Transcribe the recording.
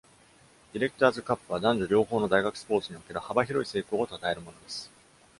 ディレクターズカップは、男女両方の大学スポーツにおける幅広い成功をたたえるものです。